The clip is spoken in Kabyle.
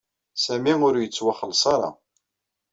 Sami ur yettwaxelleṣ ara.